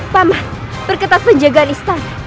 paman berkata penjagaan istana